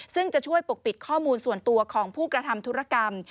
ซึ่งจะช่วยปกปิดข้อมูลส่วนตัวของผู้กระทำธุรกรรม